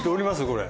これ。